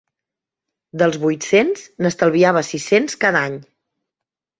Dels vuit-cents, n'estalviava sis-cents cada any.